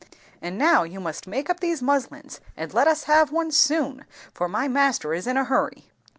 And now you must make up these muslins, and let us have one soon; for my master is in a hurry."